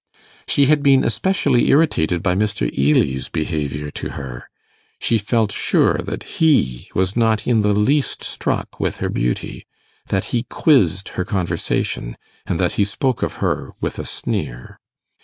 She had been especially irritated by Mr. Ely's behaviour to her; she felt sure that he was not in the least struck with her beauty, that he quizzed her conversation, and that he spoke of her with a sneer.